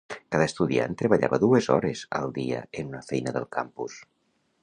Cada estudiant treballava dues hores al dia en una feina del campus.